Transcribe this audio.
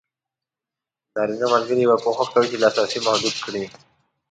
نارینه ملګري به کوښښ کوي چې لاسرسی محدود کړي.